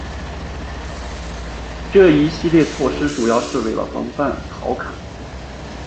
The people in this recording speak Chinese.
这一系列举措主要是为防范陶侃。